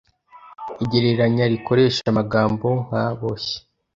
Igereranya rikoresha amagambo: nka boshye